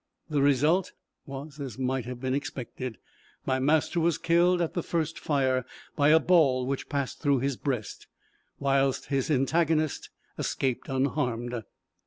The result was as might have been expected. My master was killed at the first fire, by a ball which passed through his breast, whilst his antagonist escaped unharmed.